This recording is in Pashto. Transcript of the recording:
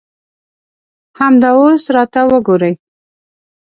همدا اوس راته وګورئ.